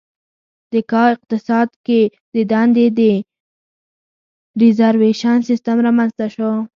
د کا اقتصاد کې د دندې د ریزروېشن سیستم رامنځته شو.